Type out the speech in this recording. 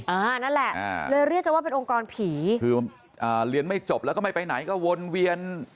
อ่านั่นแหละอ่าเลยเรียกกันว่าเป็นองค์กรผีคืออ่าเรียนไม่จบแล้วก็ไม่ไปไหนก็วนเวียน